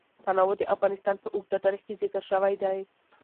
تنوع د افغانستان په اوږده تاریخ کې ذکر شوی دی.